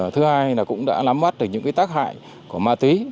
thứ hai là cũng đã nắm mắt được những tác hại của ma túy